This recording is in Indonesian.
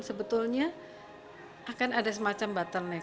sebetulnya akan ada semacam bottleneck